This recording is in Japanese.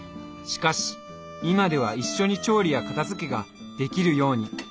しかし今では一緒に調理や片づけができるように。